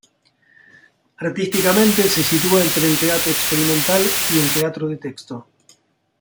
Artísticamente se sitúa entre el teatro experimental y el teatro de texto.